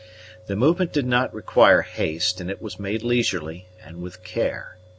The movement did not require haste, and it was made leisurely and with care.